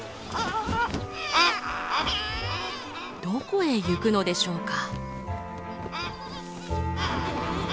どこへ行くのでしょうか？